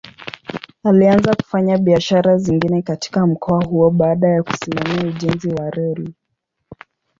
Alianza kufanya biashara zingine katika mkoa huo baada ya kusimamia ujenzi wa reli.